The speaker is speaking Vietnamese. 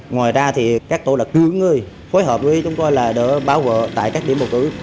ngoài ra các tổ lực cứu người phối hợp với chúng tôi đã bảo vệ tại các điểm bầu cử